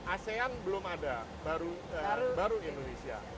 asean belum ada baru indonesia